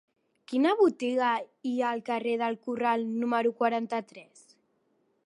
Quina botiga hi ha al carrer del Corral número quaranta-tres?